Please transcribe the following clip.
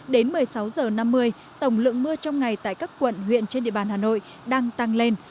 đến một mươi sáu h năm mươi tổng lượng mưa trong ngày tại các quận huyện trên địa bàn hà nội đang tăng lên